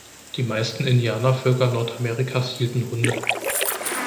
Die meisten Indianervölker Nordamerikas hielten Hunde.